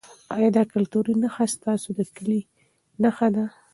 ایا دا کلتوري نښه ستاسو د کلي نښه ده؟